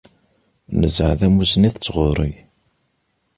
Nesεa tamussni d tɣuri.